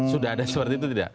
sudah ada seperti itu tidak